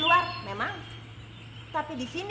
orang dan keterampilan